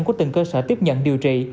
của từng cơ sở tiếp nhận điều trị